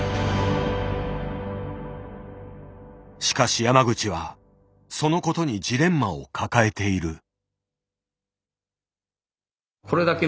しかし山口はそのことにジレンマを抱えている。